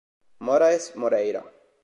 Moraes Moreira